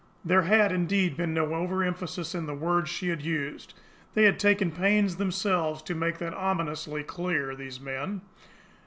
There had, indeed, been no overemphasis in the words she had used! They had taken pains themselves to make that ominously clear, these men!